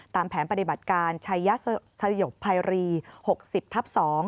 ตามแผนปฏิบัติการชัยยศยุคไภรี๖๐ทัพ๒